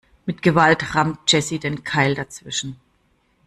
Mit Gewalt rammt Jessy den Keil dazwischen.